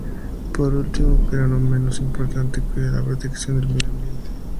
Por último, pero no menos importante, cuida la protección del medio ambiente.